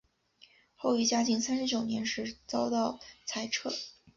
后于嘉靖三十九年时遭到裁撤。